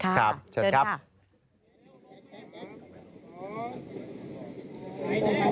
เชิญครับ